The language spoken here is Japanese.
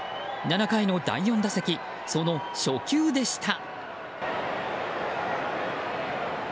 ７回の第４打席その初球でした。